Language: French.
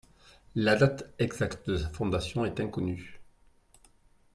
La date exacte de sa fondation est inconnue.